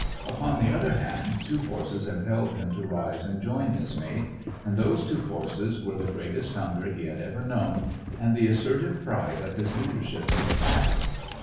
Upon the other hand, two forces impelled him to rise and join his mate, and those two forces were the greatest hunger he had ever known, and the assertive pride of his leadership of the pack.